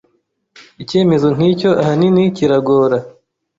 Icyemezo nk'icyo ahanini kiragora